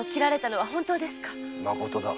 まことだ。